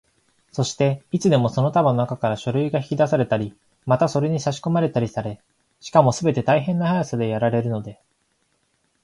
そして、いつでもその束のなかから書類が引き出されたり、またそれにさしこまれたりされ、しかもすべて大変な速さでやられるので、